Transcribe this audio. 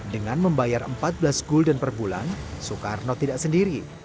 dengan membayar empat belas gulden per bulan soekarno tidak sendiri